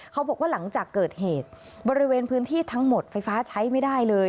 เขาบอกว่าหลังจากเกิดเหตุบริเวณพื้นที่ทั้งหมดไฟฟ้าใช้ไม่ได้เลย